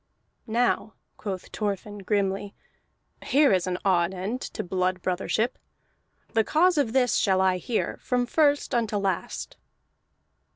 "Now," quoth Thorfinn grimly, "here is an odd end to blood brothership. The cause of this shall I hear, from first unto last."